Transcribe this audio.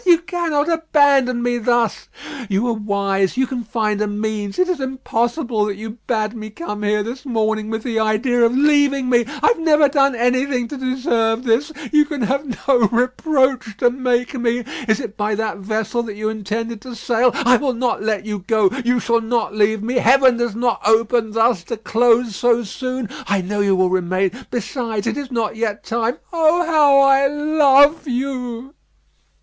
You cannot abandon me thus. You are wise; you can find a means. It is impossible that you bade me come here this morning with the idea of leaving me. I have never done anything to deserve this; you can have no reproach to make me. Is it by that vessel that you intended to sail? I will not let you go. You shall not leave me. Heaven does not open thus to close so soon. I know you will remain. Besides, it is not yet time. Oh! how I love you."